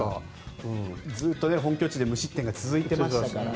ずっと本拠地で無失点が続いてましたからね。